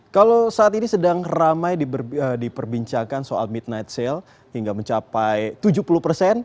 kalau saat ini sedang ramai diperbincangkan soal midnight sale hingga mencapai tujuh puluh persen